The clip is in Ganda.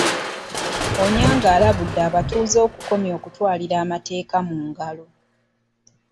Onyango alabudde abatuuze okukomya okutwalira amateeka mu ngalo.